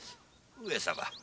上様！